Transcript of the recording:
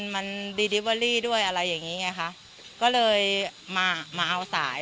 มันดีดิเวอรี่ด้วยอะไรอย่างงี้ไงคะก็เลยมามาเอาสาย